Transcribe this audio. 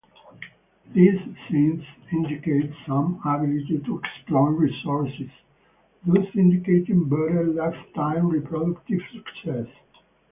These signs indicate some ability to exploit resources, thus indicating better lifetime reproductive success.